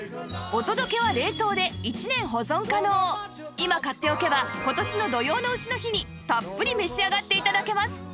今買っておけば今年の土用の丑の日にたっぷり召し上がって頂けます